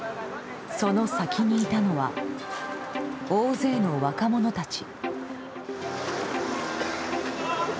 その先にいたのは大勢の若者たち。